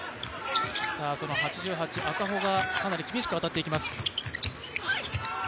８８、赤穂がかなり厳しく当たっていきます。